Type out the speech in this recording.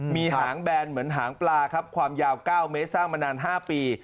มีหางแบนเหมือนหางปลาครับความยาว๙เมตรสร้างมานาน๕ปี